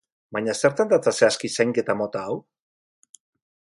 Baina zertan datza zehazki zainketa mota hau?